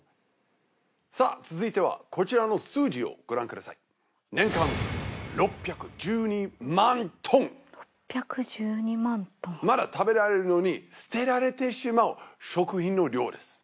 さぁ続いてはこちらの数字をご覧ください６１２万トンまだ食べられるのに捨てられてしまう食品の量です